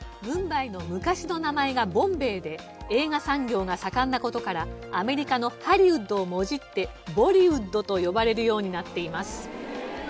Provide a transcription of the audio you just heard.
ムンバイの昔の名前がボンベイで映画産業が盛んな事からアメリカのハリウッドをもじってボリウッドと呼ばれるようになっています。